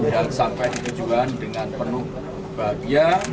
yang sampai di tujuan dengan penuh bahagia